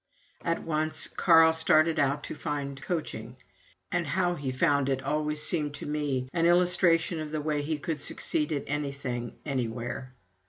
At once Carl started out to find coaching; and how he found it always seemed to me an illustration of the way he could succeed at anything anywhere.